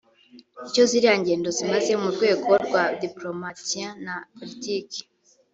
Icyo ziriya ngendo zimaze mu rwego rwa “diplomatie” na “politique”